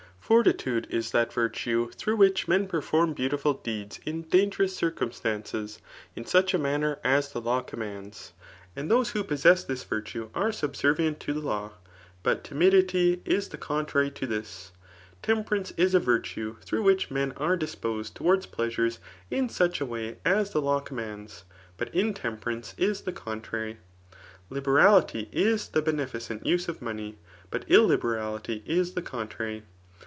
Fortitude is that virtue through which men perform beautiful deeds ih dangerous circumstances, in such a manner as the law commands, and those who possess this virtue are subservient to the law ; but timidity is the contrary to thb. Temperance is a virtue through which men are disposed towards pleasures in such a way as the law com mands J but intemperance is the contrary. Liberality is the beneficent use of money ; but illiberality is the con trary.